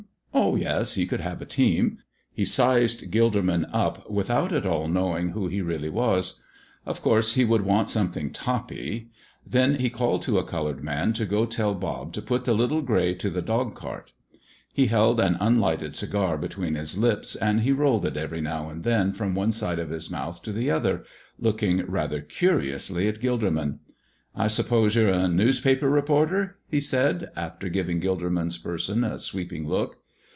Oh yes, he could have a team. He sized Gilderman up without at all knowing who he really was. Of course he would want something toppy. Then he called to a colored man to go tell Bob to put the little gray to the dog cart. He held an unlighted cigar between his lips, and he rolled it every now and then from one side of his mouth to the other, looking rather curiously at Gilderman. "I suppose you're a newspaper reporter?" he said, after giving Gilderman's person a sweeping look.